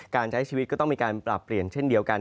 การใช้ชีวิตก็ต้องมีการปรับเปลี่ยนเช่นเดียวกัน